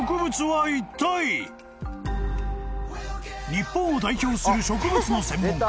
［日本を代表する植物の専門家